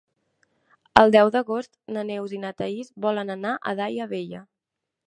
El deu d'agost na Neus i na Thaís volen anar a Daia Vella.